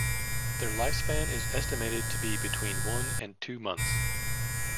Their lifespan is estimated to be between one and two months.